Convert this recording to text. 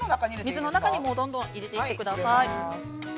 ◆水の中にどんどん入れていってください。